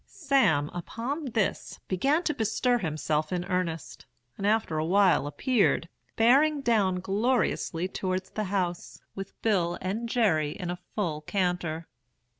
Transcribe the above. "Sam, upon this, began to bestir himself in earnest, and after a while appeared, bearing down gloriously towards the house, with Bill and Jerry in a full canter.